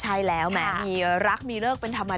ใช่แล้วแหมมีรักมีเลิกเป็นธรรมดา